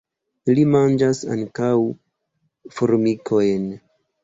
Ili manĝas ankaŭ formikojn.